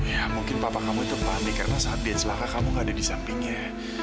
ya mungkin papa kamu itu panik karena saat di celaka kamu gak ada di sampingnya